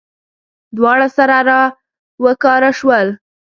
دواړه سره راوکاره شول.